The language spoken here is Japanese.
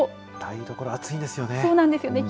台所、暑いですよね。